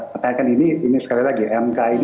pertanyaan ini sekali lagi